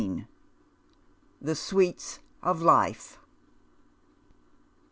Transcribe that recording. THE SWEETS OF LIFB.